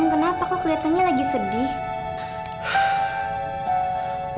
om kenapa kok keliatannya lagi sedih